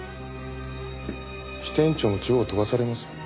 支店長も地方飛ばされますよ。